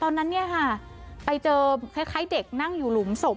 ตอนนั้นเนี่ยค่ะไปเจอคล้ายเด็กนั่งอยู่หลุมศพ